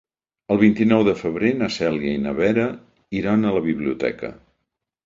El vint-i-nou de febrer na Cèlia i na Vera iran a la biblioteca.